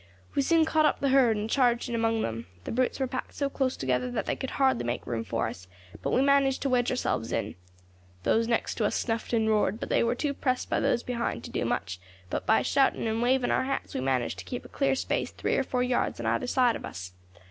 We soon caught up the herd, and charged in among them. The brutes were packed so close together that they could hardly make room for us; but we managed to wedge ourselves in. Those next to us snuffed and roared, but they war too pressed by those behind to do much; but by shouting and waving our hats we managed to keep a clear space three or four yards on either side of us.